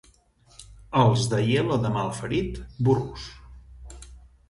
Els d'Aielo de Malferit, burros.